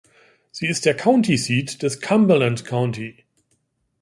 Sie ist der County Seat des Cumberland County.